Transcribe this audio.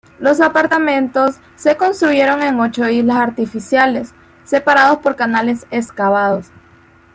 Los apartamentos se construyeron en ocho islas artificiales, separados por canales excavados.